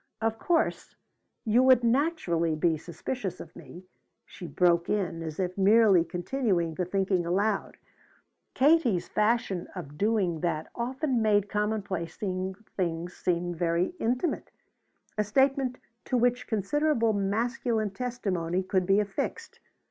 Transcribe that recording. "Of course, you would naturally be suspicious of me," she broke in as if merely continuing the thinking aloud; Katie's fashion of doing that often made commonplace things seem very intimate a statement to which considerable masculine testimony could be affixed.